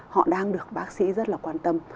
họ đang được bác sĩ rất là quan tâm